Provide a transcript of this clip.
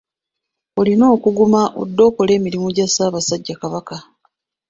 Olina okuguma odde okole emirimu gya Ssaabasajja Kabaka.